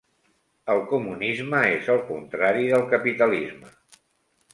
El comunisme és el contrari del capitalisme.